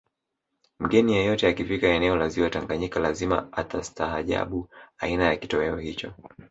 Mgeni yeyote akifika eneo la ziwa Tanganyika lazima atastahajabu aina ya kitoweo hicho